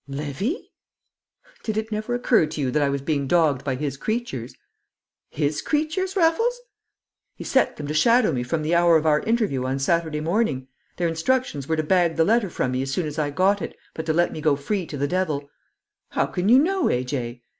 "Levy!" "Did it never occur to you that I was being dogged by his creatures?" "His creatures, Raffles?" "He set them to shadow me from the hour of our interview on Saturday morning. Their instructions were to bag the letter from me as soon as I got it, but to let me go free to the devil!" "How can you know, A.J.?"